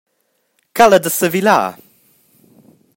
Cala da sevilar!